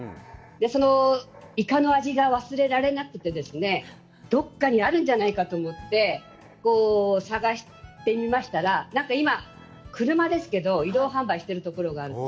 そのイカの味が忘れられなくて、どこかにあるんじゃないかと思って探してみましたら、なんか今、車ですけど、移動販売しているところがあると。